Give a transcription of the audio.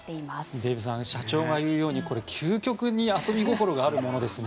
デーブさん社長が言うようにこれ、究極に遊び心があるものですね。